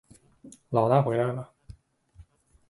牢大回来了